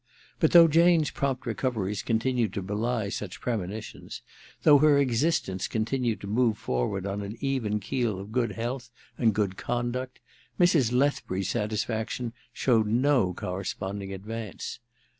But though Jane's prompt recoveries continued to belie such pre monitions, though her existence continued to move forward on an even keel of good health and good conduct, Mrs. Lethbury's satisfaction showed no corresponding advance.